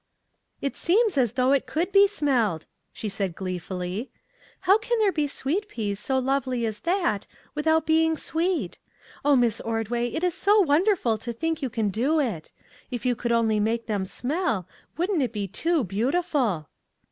" It seems as though it could be smelled," she said, gleefully. " How can there be sweet peas so lovely as that, without being sweet? O Miss Ordway, it is so wonderful to think you can do it ! If you could only make them smell, wouldn't it be too beautiful